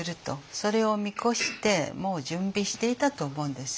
それを見越してもう準備していたと思うんですよ。